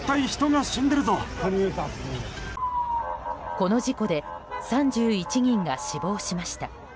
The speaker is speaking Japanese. この事故で３１人が死亡しました。